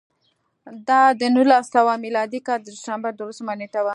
دا د نولس سوه میلادي کال د ډسمبر دولسمه نېټه وه